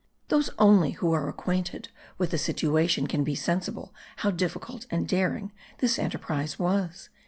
Those only who are acquainted with the situation can be sensible how difficult and daring this enterprise was.)